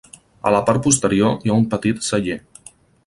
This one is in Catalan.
A la part posterior hi ha un petit celler.